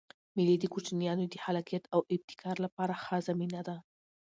مېلې د کوچنيانو د خلاقیت او ابتکار له پاره ښه زمینه ده.